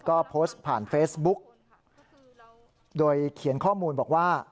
ก็โพสต์ผ่านเฟซบุ๊กโดยเขียนข้อมูลบอกว่า